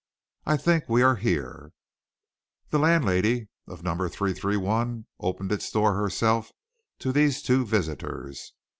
I think we are here." The landlady of No. 331 opened its door herself to these two visitors.